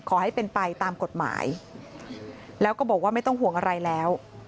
ขอให้เป็นไปตามกฎหมายแล้วก็บอกว่าไม่ต้องห่วงอะไรแล้ว